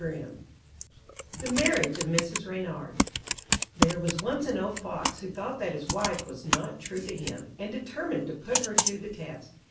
] The Marriage of Mrs. Reynard There was once an old Fox who thought that his wife was not true to him, and determined to put her to the test.